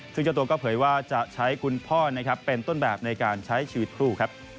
ซึ่งเจ้าตัวก็เผยว่าจะใช้คุณพ่อนะครับเป็นต้นแบบในการใช้ชีวิตคู่ครับ